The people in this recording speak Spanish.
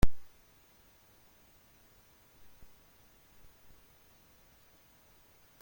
Las bellezas artísticas complementan las bellezas naturales.